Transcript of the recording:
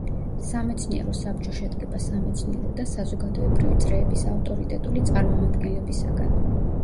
სამეცნიერო საბჭო შედგება სამეცნიერო და საზოგადოებრივი წრეების ავტორიტეტული წარმომადგენლებისაგან.